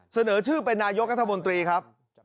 เสนอชื่อเป็นนายกรัฐมนตรีครับ